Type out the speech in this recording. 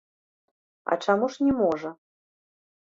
А чаму ж не можа?